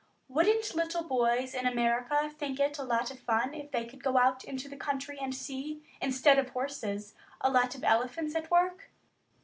Wouldn't little boys in America think it a lot of fun if they could go out into the country and see, instead of horses, a lot of elephants at work?